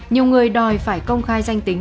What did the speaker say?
nhiều người đòi phải công khai danh tính